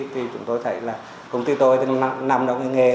thì chúng tôi thấy là công ty tôi từng nằm trong cái nghề